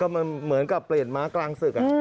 มันเหมือนกับเปลี่ยนม้ากลางศึก